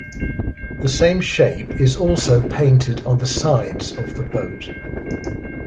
The same shape is also painted on the sides of the boat.